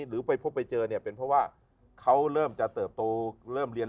หรือไปพบไปเจอเนี่ยเป็นเพราะว่าเขาเริ่มจะเติบโตเริ่มเรียน